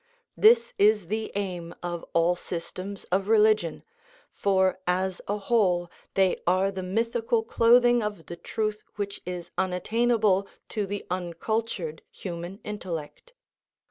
This is the aim of all systems of religion, for as a whole they are the mythical clothing of the truth which is unattainable to the uncultured human intellect.